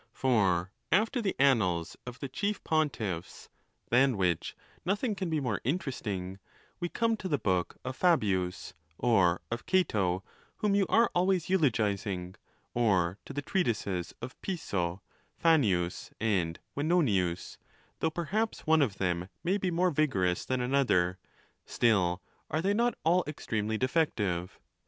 For after the annals of the chief Pontiffs, than which nothing can be more interesting,' we come to the 'book of Fabius, or of Cato, whom you are always eulogizing, or to the treatises of Piso, Fannius, and Venonius; though perhaps one of them may be more vigorous than another, still are they not all ex tremely defective?